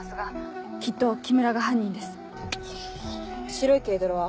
白い軽トラは？